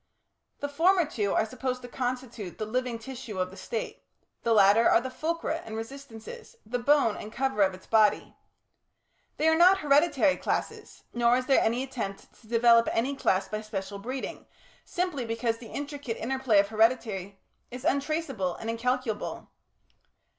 The former two are supposed to constitute the living tissue of the State; the latter are the fulcra and resistances, the bone and cover of its body. They are not hereditary classes, nor is there any attempt to develop any class by special breeding, simply because the intricate interplay of heredity is untraceable and incalculable.